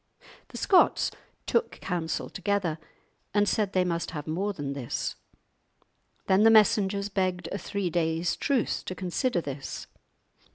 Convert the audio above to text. The Scots took counsel together and said they must have more than this. Then the messengers begged a three days' truce to consider this.